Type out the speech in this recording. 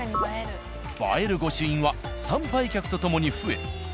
映える御朱印は参拝客とともに増え